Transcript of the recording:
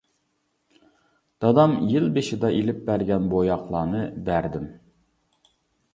دادام يىل بېشىدا ئېلىپ بەرگەن بوياقلارنى بەردىم.